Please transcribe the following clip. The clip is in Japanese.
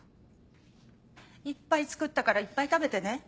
いっぱい作ったからいっぱい食べてね。